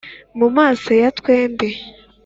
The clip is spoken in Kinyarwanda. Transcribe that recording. Mu maso ya twembi.